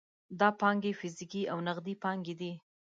دا پانګې فزیکي او نغدي پانګې دي.